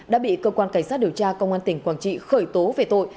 đã bị cơ quan cảnh sát điều tra công an tỉnh quảng trị khởi tố về tội